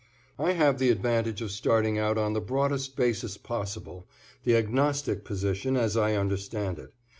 I have the advantage of starting out on the broadest basis possible, the agnostic position as I understand it.